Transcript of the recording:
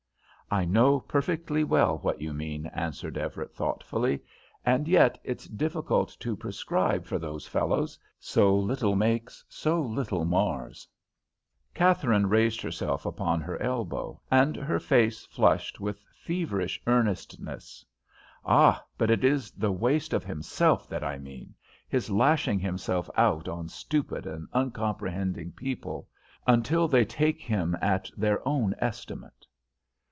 "I know perfectly well what you mean," answered Everett, thoughtfully. "And yet it's difficult to prescribe for those fellows; so little makes, so little mars." Katharine raised herself upon her elbow, and her face flushed with feverish earnestness. "Ah, but it is the waste of himself that I mean; his lashing himself out on stupid and uncomprehending people until they take him at their own estimate."